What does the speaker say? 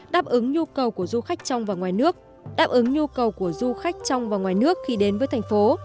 đáp ứng nhu cầu của du khách trong và ngoài nước khi đến với thành phố